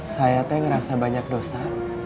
saya tuh ngerasa banyak dosa